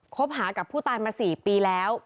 คบหากับผู้ตายมา๔ปีแล้ว